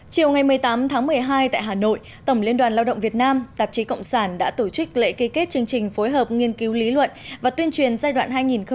chiều ngày một mươi tám tháng một mươi hai tại hà nội tổng liên đoàn lao động việt nam tạp chí cộng sản đã tổ chức lễ ký kết chương trình phối hợp nghiên cứu lý luận và tuyên truyền giai đoạn hai nghìn một mươi sáu hai nghìn hai mươi